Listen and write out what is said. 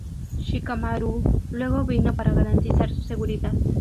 Shikamaru luego vino para garantizar su seguridad.